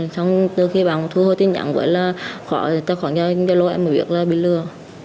xong từ khi bà thu hồ tin nhắn với là khỏi khỏi giao lô em biết là bị lừa